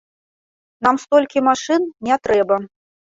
Нам столькі машын не трэба!